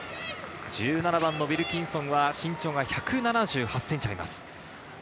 １７番のウィルキンソンは身長１７８ｃｍあります。